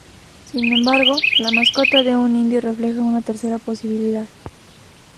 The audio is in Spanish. Sin embargo, la mascota de un indio refleja una tercera posibilidad.